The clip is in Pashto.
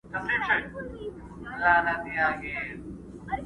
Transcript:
نر هغه دی چي یې و چیښل او ښه یې ځان خړوب کړ،